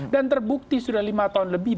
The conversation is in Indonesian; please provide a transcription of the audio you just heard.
dan terbukti sudah lima tahun lebih